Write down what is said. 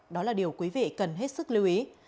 đó là điều quý vị cần hết sức lưu ý